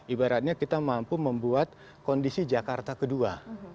ibaratnya kita mampu membuat kondisi jakarta kedua